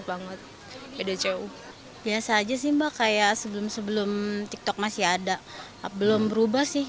banget pdcu biasa aja sih mbak kayak sebelum sebelum tiktok masih ada belum berubah sih